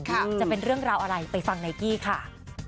จะเป็นเรื่องราวอะไรไปฟังไนกี้ค่ะ